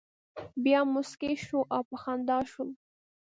بیا مسکی شو او په خندا شو.